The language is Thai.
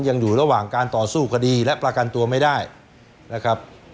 ยังอยู่ระหว่างการต่อสู้คดีและประกันตัวไม่ได้นะครับ